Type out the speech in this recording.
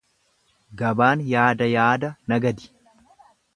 Gabaan yaada yaada nagadi.